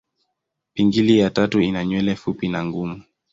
Pingili ya tatu ina nywele fupi na ngumu.